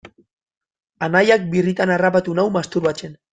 Anaiak birritan harrapatu nau masturbatzen.